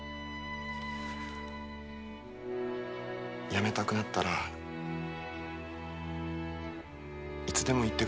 やめたくなったらいつでも言ってください。